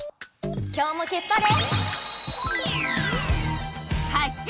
今日もけっぱれ！